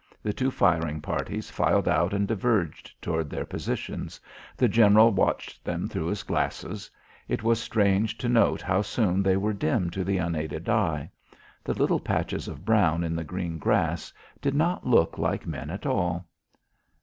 The two firing parties filed out and diverged toward their positions. The general watched them through his glasses. It was strange to note how soon they were dim to the unaided eye. The little patches of brown in the green grass did not look like men at all.